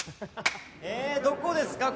ええどこですか？